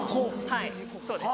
はいそうです。